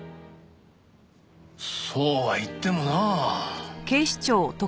そうは言ってもなあ。